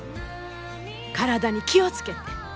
体に気を付けて。